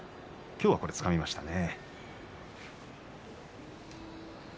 今日は、つかみましたね。